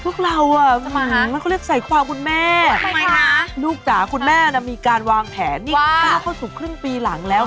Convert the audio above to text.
มันก็เรียกใส่ความคุณแม่ลูกจ๋าคุณแม่น่ะมีการวางแผนนี่ก้าวเข้าสู่ครึ่งปีหลังแล้ว